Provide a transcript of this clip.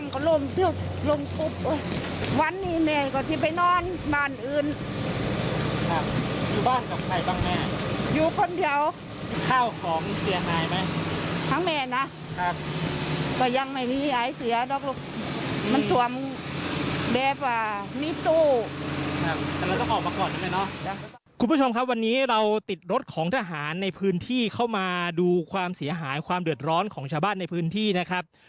คุณผู้ชมครับวันนี้เราติดรถของทหารในพื้นที่เข้ามาดูความเสียหายความเดือดร้อนของชาวบ้านในพื้นที่นะครับ